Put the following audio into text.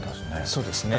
そうですね。